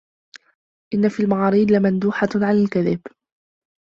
إنَّ فِي الْمَعَارِيضِ لَمَنْدُوحَةً عَنْ الْكَذِبِ